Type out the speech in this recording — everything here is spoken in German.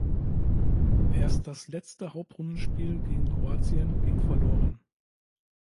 Erst das letzte Hauptrundenspiel gegen Kroatien ging verloren.